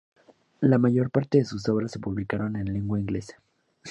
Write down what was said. La mayor parte de sus obras se publicaron en lengua inglesa.